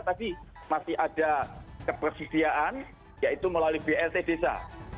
tapi masih ada ketersediaan yaitu melalui blt desa